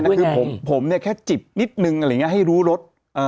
แต่คือผมเนี่ยแค่จิบนิดนึงอะไรอย่างนี้ให้รู้รถ